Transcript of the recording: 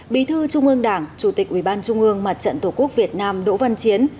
bí thư trung ương đảng chủ tịch ubnd mặt trận tổ quốc việt nam đỗ văn chiến